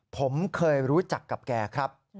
ผมเคยรู้จักกับแกครับ